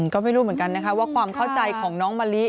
ก็ไม่รู้เหมือนกันนะคะว่าความเข้าใจของน้องมะลิ